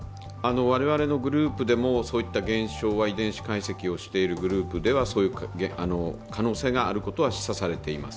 我々のグループでもそういった減少は、そういう遺伝子解析をしているグループではそういう可能性があることは示唆されています。